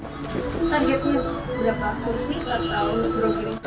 targetnya berapa kursi atau